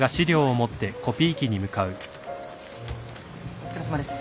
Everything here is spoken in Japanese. お疲れさまです。